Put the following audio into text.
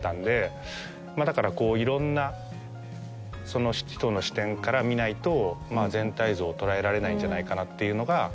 だからこういろんなその人の視点から見ないと全体像を捉えられないんじゃないかなっていうのが